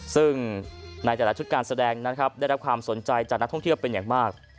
ซึ่งในแต่ละชุดการแสดงนะครับได้รับความสนใจจากนักท่องเที่ยวเป็นอย่างมาก